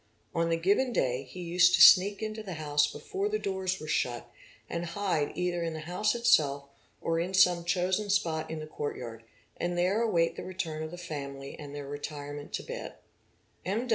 On the given day he used to sneak into the house before the doors were shut and hide either in the house itself % in some chosen spot in the courtyard, and there await the return of s family and their retirement to bed. M.